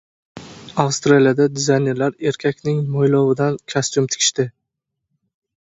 Avstraliyalik dizaynerlar erkakning mo‘ylovidan kostyum tikishdi